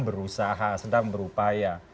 berusaha sedang berupaya